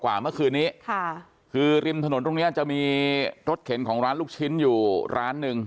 เมื่อคืนนี้ค่ะคือริมถนนตรงเนี้ยจะมีรถเข็นของร้านลูกชิ้นอยู่ร้านหนึ่ง